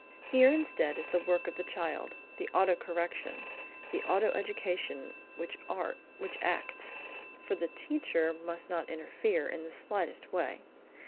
Here instead it is the work of the child, the auto correction, the auto education which acts, for the teacher must not interfere in the slightest way.